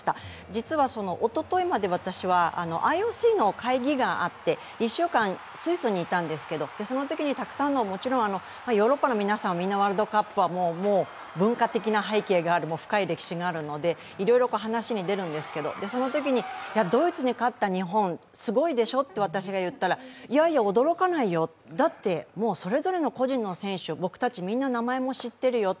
実はおとといまで私はＩＯＣの会議があって１週間、スイスにいたんですけど、そのときにたくさんの、もちろん、みんなワールドカップは文化的な背景がある深い歴史があるのでいろいろ話に出るんですけれども、そのときにドイツに勝った日本すごいでしょって私が言ったら、いやいや驚かないよ、だって、もうそれぞれの選手、僕たち、名前も知ってるよ